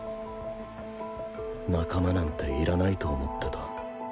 仲間なんて要らないと思ってた